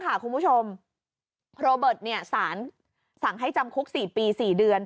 ค่ะคุณผู้ชมโรเบิร์ตเนี่ยสารสั่งให้จำคุกสี่ปีสี่เดือน